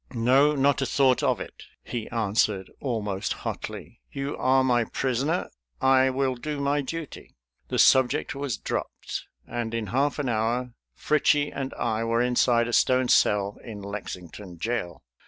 "No, not a thought of it," he answered almost hotly. "You are my prisoner, I will do my duty." The subject was dropped, and in half an hour Fritchie and I were inside a stone cell in Lexington jail.